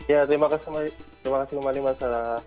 ya terima kasih sekali terima kasih sekali mas